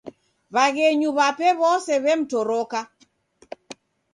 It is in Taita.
W'aghenyu w'ape w'ose w'emtoroka.